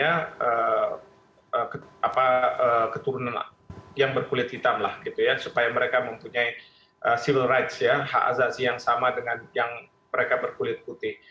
ya itu memang terjadi karena ada beberapa orang yang mengaku bahwa mereka adalah keturunan yang berkulit hitam lah gitu ya supaya mereka mempunyai civil rights ya hak azazi yang sama dengan yang mereka berkulit putih